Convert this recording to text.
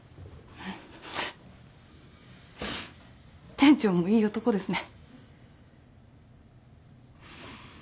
店長もいい男ですね。